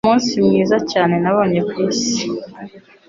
Umunsi mwiza cyane nabonye kwisi!